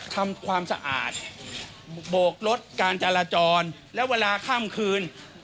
ทำความสะอาดโบกลดการจราจรและเวลาข้ามคืน